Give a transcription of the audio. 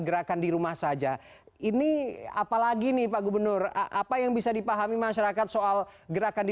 gerakan di rumah saja ini apalagi nih pak gubernur apa yang bisa dipahami masyarakat soal gerakan di